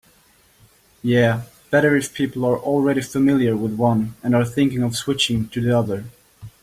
Yeah, better if people are already familiar with one and are thinking of switching to the other.